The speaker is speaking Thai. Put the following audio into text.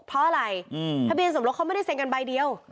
เพราะอะไรทะเบียนสมรสเขาไม่ได้เซ็นกันใบเดียว